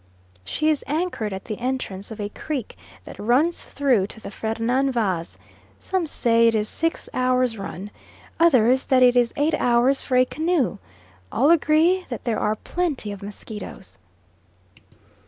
She is anchored at the entrance of a creek that runs through to the Fernan Vaz; some say it is six hours' run, others that it is eight hours for a canoe; all agree that there are plenty of mosquitoes.